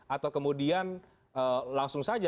atau kemudian langsung saja